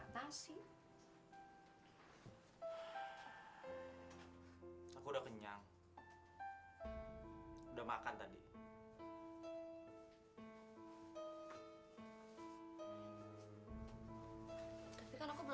dan gak ada alat pengatasi